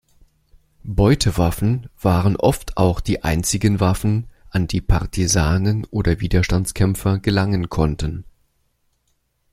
Beutewaffen waren oft auch die einzigen Waffen, an die Partisanen oder Widerstandskämpfer gelangen konnten.